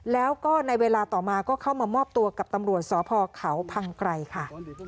แล้วก็ในเวลาต่อมาก็เข้ามามอบตัวกับตำรวจสพเขาพังไกรค่ะ